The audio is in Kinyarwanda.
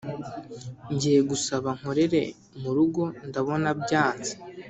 Ngiye gusaba nkorere murugo ndabona byanze